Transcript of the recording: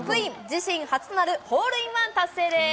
自身初となるホールインワン達成です。